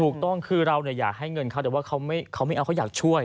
ถูกต้องคือเราอยากให้เงินเขาแต่ว่าเขาไม่เอาเขาอยากช่วย